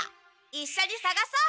いっしょにさがそう。